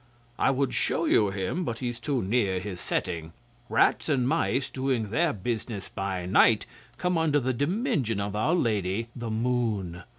I would show you him, but he's too near his setting. Rats and mice, doing their businesses by night, come under the dominion of our Lady the Moon.